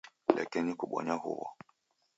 Lekenyi kubonya huw'o.